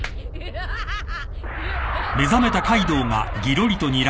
ハハハハ！